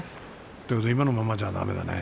今のままじゃだめだね。